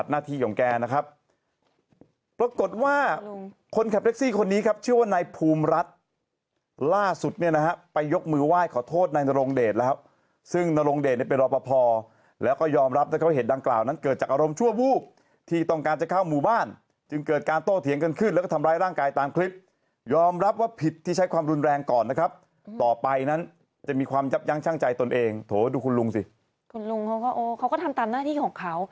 จริงจริงจริงจริงจริงจริงจริงจริงจริงจริงจริงจริงจริงจริงจริงจริงจริงจริงจริงจริงจริงจริงจริงจริงจริงจริงจริงจริงจริงจริงจริงจริง